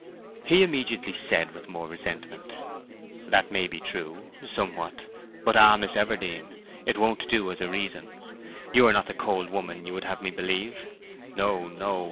He immediately said with more resentment: "That may be true, somewhat; but ah, Miss Everdene, it won't do as a reason! You are not the cold woman you would have me believe. No, no!